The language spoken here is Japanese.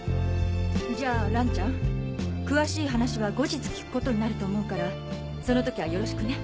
じゃ蘭ちゃん詳しい話は後日聞くことになると思うからその時はよろしくね。